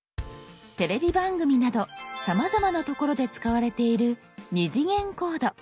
テレビ番組などさまざまな所で使われている「２次元コード」。